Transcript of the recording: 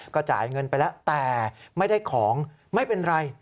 ก็จ่ายเงินไปแล้วแต่ไม่ได้ของไม่เป็นไร